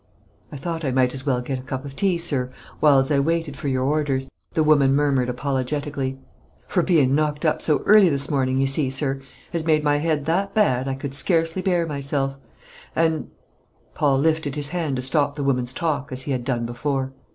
"I thought I might as well get a cup of tea, sir, whiles I waited for your orders," the woman murmured, apologetically; "for bein' knocked up so early this morning, you see, sir, has made my head that bad, I could scarcely bear myself; and " Paul lifted his hand to stop the woman's talk, as he had done before.